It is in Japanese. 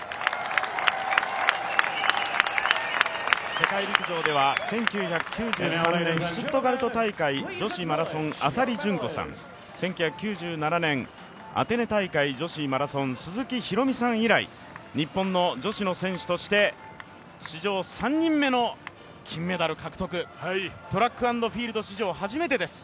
世界陸上では１９９３年シュツットガルト大会、女子マラソン浅利純子さん、１９９７年、アテネ大会女子マラソン、鈴木博美さん以来、日本の女子の選手として史上３人目の金メダル獲得、トラック＆フィールド史上初めてです。